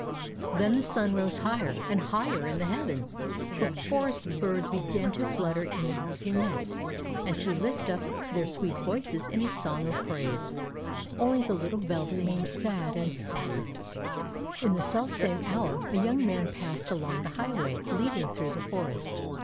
Then the sun rose higher and higher in the heavens, the forest birds began to flutter in their leafy nests, and to lift up their Tales of Modern Germany 119 sweet voices in a song of praise. Only the little bell remained sad and silent. In the selfsame hour, a young man passed along the highway leading through the forest.